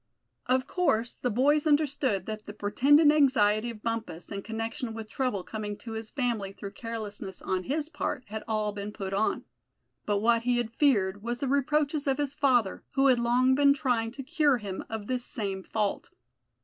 Of course the boys understood that the pretended anxiety of Bumpus in connection with trouble coming to his family through carelessness on his part had all been put on; but what he had feared was the reproaches of his father, who had long been trying to cure him of this same fault.